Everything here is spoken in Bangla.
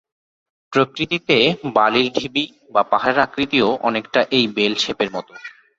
প্রকৃতিতে বালির ঢিবি বা পাহাড়ের আকৃতিও অনেকটা এই বেল শেপের মত।